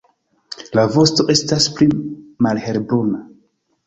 La vosto estas pli malhelbruna.